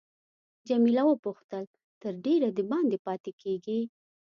جميله وپوښتل تر ډېره دباندې پاتې کیږې.